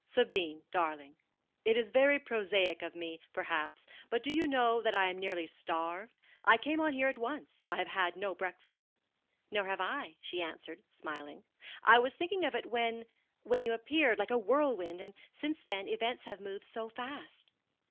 "Sabine, darling. It is very prosaic of me, perhaps, but do you know that I am nearly starved? I came on here at once. I have had no breakfast." "Nor have I," she answered, smiling. "I was thinking of it when when you appeared like a whirlwind, and since then, events have moved so fast."